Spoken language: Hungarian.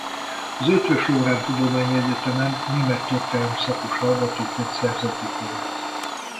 Az Eötvös Loránd Tudományegyetemen német–történelem szakos hallgatóként szerzett diplomát.